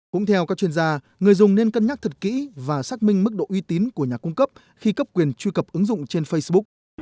cũng theo các chuyên gia người dùng nên cân nhắc thật kỹ và xác minh mức độ uy tín của nhà cung cấp khi cấp quyền truy cập ứng dụng trên facebook